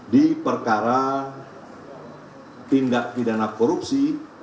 di perkara tindak pidana korupsi